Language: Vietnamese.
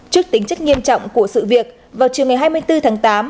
trước tính chất nghiêm trọng của sự việc vào chiều ngày hai mươi bốn tháng tám